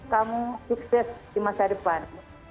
kamu sukses di masa depan